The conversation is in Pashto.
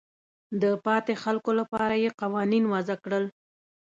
د پاتې خلکو لپاره یې قوانین وضع کړل.